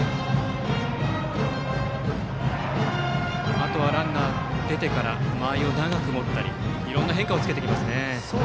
あとはランナーが出てから間合いを長く持ったりいろいろな変化をつけてきますね。